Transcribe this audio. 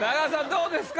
どうですか？